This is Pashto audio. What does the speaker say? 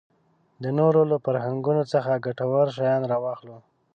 د نورو له فرهنګونو څخه ګټور شیان راواخلو.